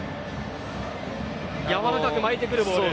やわらかく巻いてくるボール。